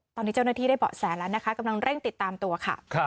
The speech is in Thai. ตอนนี้เจ้าหน้าที่ได้เบาะแสแล้วนะคะกำลังเร่งติดตามตัวค่ะ